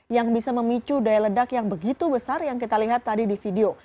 yang bisa memicu daya ledak yang begitu besar yang kita lihat tadi di video